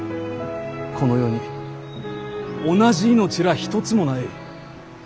この世に同じ命らあ一つもない。